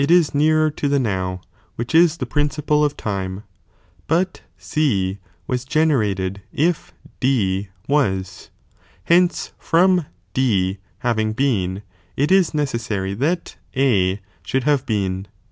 \BOOtiHt C, because it ia nearer to the now, which is the priociide of time, but C waa generated if D was, hence from D having been, it is necessary that A should have been.